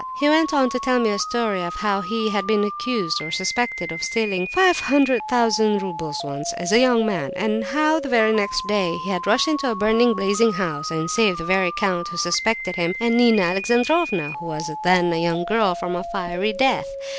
He went on to tell me a story of how he had been accused, or suspected, of stealing five hundred thousand roubles once, as a young man; and how, the very next day, he had rushed into a burning, blazing house and saved the very count who suspected him, and Nina Alexandrovna (who was then a young girl), from a fiery death.